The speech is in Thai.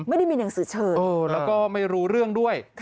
ไม่ได้มีหนังสือเชิญแล้วก็ไม่รู้เรื่องด้วย